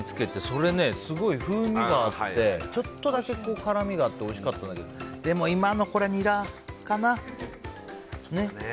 それ、すごく風味があってちょっとだけ辛みがあっておいしかったんだけどでも今のはニラかな？